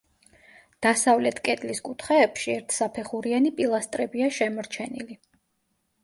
დასავლეთ კედლის კუთხეებში ერთსაფეხურიანი პილასტრებია შემორჩენილი.